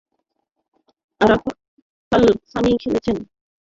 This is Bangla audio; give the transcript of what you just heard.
আরাফাত সানি খেলেছেন দুই দিন আগে সর্বশেষ ওয়ানডে সিরিজের প্রতিটি ম্যাচই।